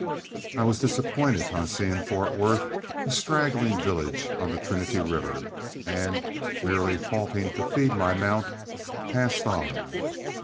I was disappointed on seeing Fort Worth, a straggling village on the Trinity River, and, merely halting to feed my mount, passed on.